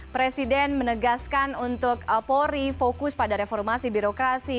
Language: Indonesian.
presiden menegaskan untuk polri fokus pada reformasi birokrasi